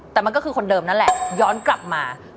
แต่มันก็คือคนเดิมนั่นแหละย้อนกลับมา